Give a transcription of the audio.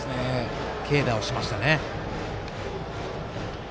軽打をしましたね。